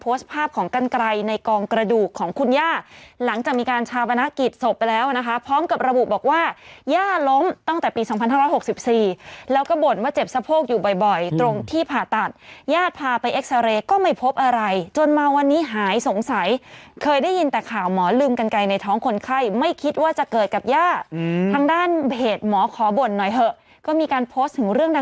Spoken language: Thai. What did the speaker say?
พอสภาพของกรรไกรในกองกระดูกของคุณย่าหลังจากมีการชาวบนักกิจสบไปแล้วนะคะพร้อมกับระบุบอกว่าย่าล้มตั้งแต่ปี๒๖๖๔แล้วก็บ่นว่าเจ็บสะโพกอยู่บ่อยตรงที่ผ่าตัดย่าพาไปเอ็กซาเรย์ก็ไม่พบอะไรจนมาวันนี้หายสงสัยเคยได้ยินแต่ข่าวหมอลืมกรรไกรในท้องคนไข้ไม่คิดว่าจะเกิดกับย่าทางด้